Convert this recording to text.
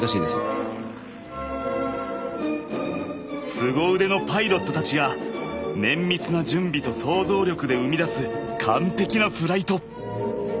すご腕のパイロットたちが綿密な準備と想像力で生み出す完璧なフライト。